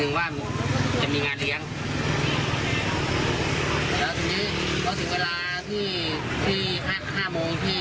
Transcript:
ที่นี่ว่ามันแต่มันไม่ได้เอาตังค์ให้